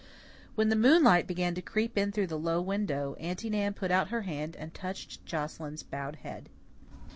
When the moonlight began to creep in through the low window, Aunty Nan put out her hand and touched Joscelyn's bowed head.